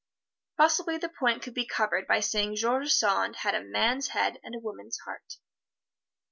Possibly the point could be covered by saying George Sand had a man's head and a woman's heart.